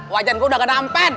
wajah gue udah gak dampen